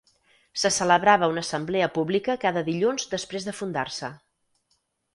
Se celebrava una assemblea pública cada dilluns després de fundar-se.